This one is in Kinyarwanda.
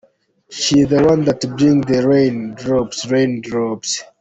She the one that bring them rain drops, rain drops.